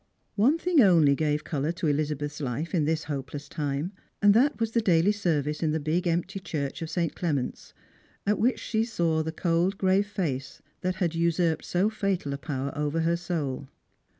One thing only gave colour to Elizabeth's life in this hope less time, and that was the daily service in the big empty church of St. Clement's, at which she saw the cold grave face that had usurped so fatal a power over her soul.